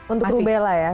untuk rubela ya